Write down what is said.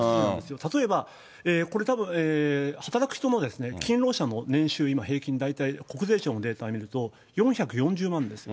例えばこれ、たぶん働く人の、勤労者の年収、今、平均大体、国税庁のデータを見ると４４０万です。